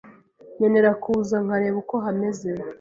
nkenera kuza nkareba uko hameze